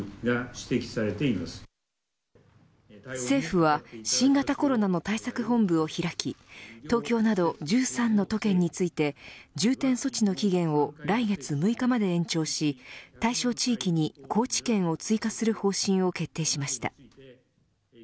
政府は新型コロナの対策本部を開き東京など１３の都県について重点措置の期限を来月６日まで延長し対象地域に高知県を追加する方針を決定しました。